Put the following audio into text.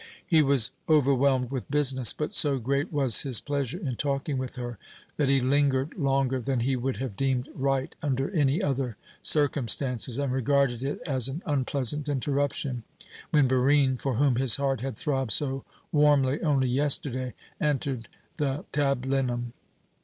He was overwhelmed with business, but so great was his pleasure in talking with her that he lingered longer than he would have deemed right under any other circumstances, and regarded it as an unpleasant interruption when Barine for whom his heart had throbbed so warmly only yesterday entered the tablinum.